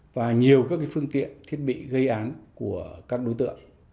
và nhiều các phương tiện thiết bị gây án của các đối tượng